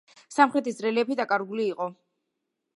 სამხრეთის რელიეფი დაკარგული იყო.